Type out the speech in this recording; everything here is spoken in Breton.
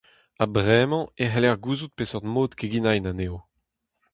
Ha bremañ e c'heller gouzout peseurt mod keginañ anezho.